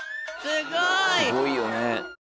すごいよね。